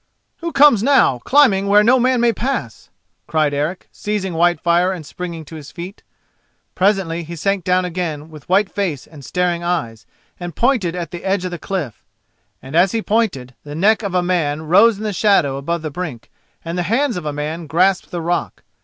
"Who comes now, climbing where no man may pass?" cried Eric, seizing Whitefire and springing to his feet. Presently he sank down again with white face and staring eyes, and pointed at the edge of the cliff. And as he pointed, the neck of a man rose in the shadow above the brink, and the hands of a man grasped the rock.